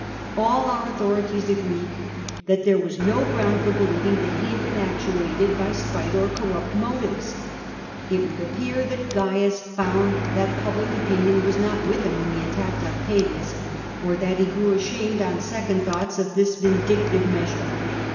All our authorities agree that there was no ground for believing that ha had been actuated by spite or corrupt motives. It would appear that Cains found that public opinion was not with him when he attacked Octavius, or that he grew ashamed on second thoughts of this vindictive measure.